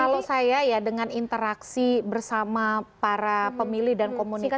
kalau saya ya dengan interaksi bersama para pemilih dan komunitas